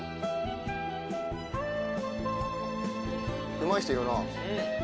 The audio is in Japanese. うまい人いるな！